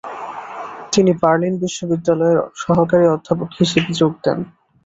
তিনি বার্লিন বিশ্ববিদ্যালয়ের সহকারী অধ্যাপক হিসেবে যোগ দেন।